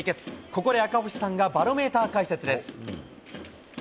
ここで赤星さんがバロメーター解説です。